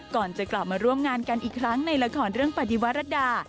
ก่อนจะกลับมาร่วมงานกันอีกครั้งในละครเรื่องปฏิวรรดา